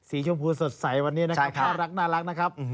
ศรีชมพูสดใสวันนี้นะครับแกร่งรักน่ารักนะครับ